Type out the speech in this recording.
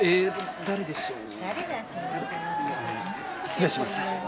失礼します。